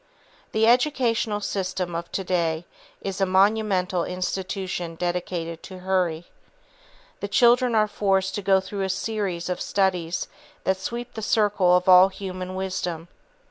The educational system of to day is a monumental institution dedicated to Hurry. The children are forced to go through a series of studies that sweep the circle of all human wisdom.